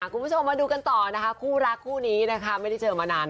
ขอบคุณผู้ชมมาดูกันต่อคู่รักคู่นี้ไม่ได้เจอมานาน